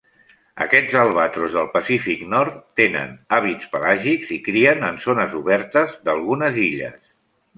Aquests albatros del Pacífic Nord, tenen hàbits pelàgics, i crien en zones obertes d'algunes illes.